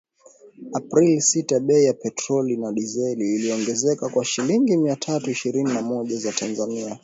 Aprili sita bei ya petroli na dizeli iliongezeka kwa shilingi mia tatu ishirini na moja za Tanzania